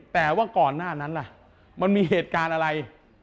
แต่ว่าก่อนหน้านั้นล่ะมันมีเหตุการณ์อะไร